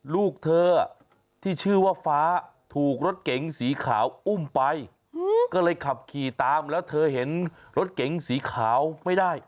ลูกเธอที่ชื่อว่าฟ้าถูกรถเก๋งสีขาวอุ้มไปก็เลยขับขี่ตามแล้วเธอเห็นรถเก๋งสีขาวไม่ได้